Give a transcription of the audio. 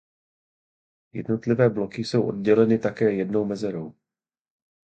Jednotlivé bloky jsou odděleny také jednou mezerou.